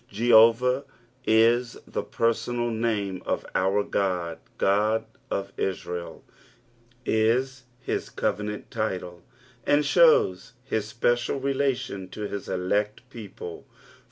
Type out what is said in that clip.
Jehovah is the personal name iif oat Ood. " Ood of Ttrael" is his covenant title, and shows his special reUtioD to his elect people.